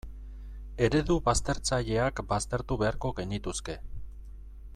Eredu baztertzaileak baztertu beharko genituzke.